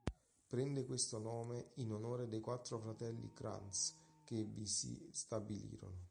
Prende questo nome in onore dei quattro fratelli Kranz che vi si stabilirono.